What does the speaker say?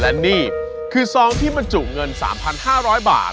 และนี่คือซองที่บรรจุเงิน๓๕๐๐บาท